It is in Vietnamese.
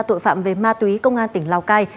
tội phạm về ma túy công an tỉnh lào cai